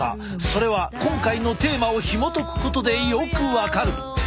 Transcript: それは今回のテーマをひもとくことでよく分かる。